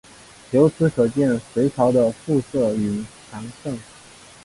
由此可见的隋朝的富庶与强盛。